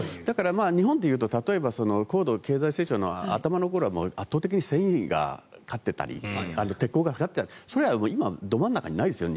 だから、日本で言うと高度経済成長の頭の頃は圧倒的に繊維が勝ってたり鉄鋼が勝って、それは今、ど真ん中にないですね。